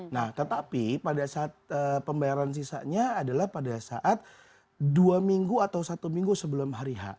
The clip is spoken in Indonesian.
nah tetapi pada saat pembayaran sisanya adalah pada saat dua minggu atau satu minggu sebelum hari h